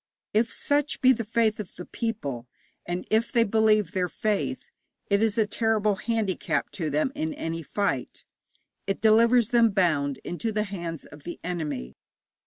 If such be the faith of the people, and if they believe their faith, it is a terrible handicap to them in any fight; it delivers them bound into the hands of the enemy.